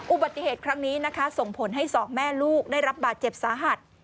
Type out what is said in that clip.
อุบัติเหตุครั้งนี้นะคะส่งผลให้สองแม่ลูกได้รับบาดเจ็บสาหัส